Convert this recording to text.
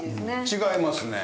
違いますね。